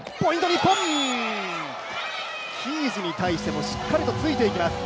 日本、キージに対してもしっかりとついていきます！